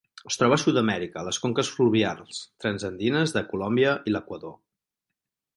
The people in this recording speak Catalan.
Es troba a Sud-amèrica, a les conques fluvials transandines de Colòmbia i l'Equador.